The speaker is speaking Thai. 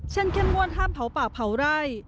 เช่นเคลื่อนม่วนห้ามเผาป่าเผาไร่